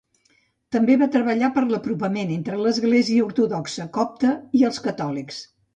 També va treballar per l'apropament entre l'Església Ortodoxa Copta i els catòlics.